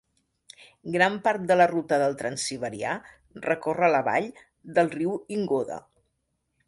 Gran part de la ruta del transsiberià recorre la vall del riu Ingoda.